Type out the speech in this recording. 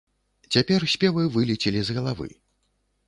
Цяпер спевы вылецелі з галавы.